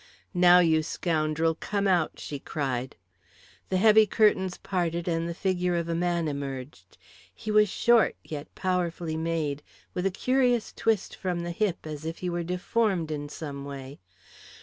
"Now, you scoundrel, come out," she cried. The heavy curtains parted and the figure of a man emerged. He was short, yet powerfully made, with a curious twist from the hip as if he were deformed in some way.